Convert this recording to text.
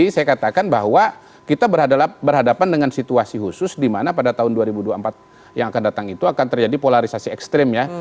saya katakan bahwa kita berhadapan dengan situasi khusus di mana pada tahun dua ribu dua puluh empat yang akan datang itu akan terjadi polarisasi ekstrim ya